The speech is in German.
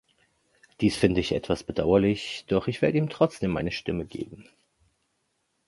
Dies finde ich etwas bedauerlich, doch ich werde ihm trotzdem meine Stimme geben.